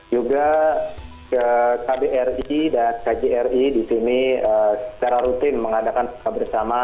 juga kbri dan kjri di sini secara rutin mengadakan buka bersama